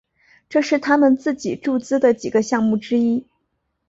这是他们自己注资的几个项目之一。